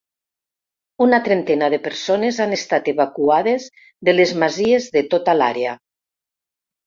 Una trentena de persones han estat evacuades de les masies de tota l’àrea.